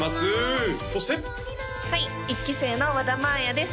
そしてはい１期生の和田まあやです